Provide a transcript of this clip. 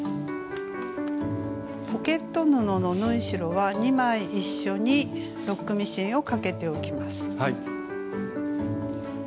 ポケット布の縫い代は２枚一緒にロックミシンをかけておきます。